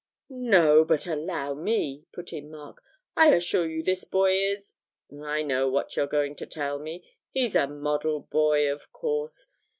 'No, but allow me,' put in Mark; 'I assure you this boy is ' 'I know what you're going to tell me he's a model boy, of course.